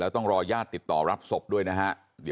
ต้องรอย่าดแบบรับสบนะครับ